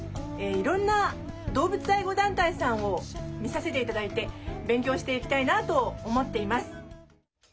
いろんな動物愛護団体さんを見させて頂いて勉強していきたいなと思っています。